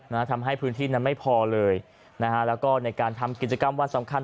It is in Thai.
มาทำให้พื้นที่นั้นไม่พอเลยและก็ในการทำกิจกรรมว่าสำคัญต่างก็ไม่ได้